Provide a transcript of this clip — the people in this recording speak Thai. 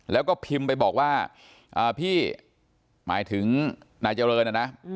แล้วก็พิมพ์ไปบอกว่าพี่หมายถึงนายเจริญนะนะ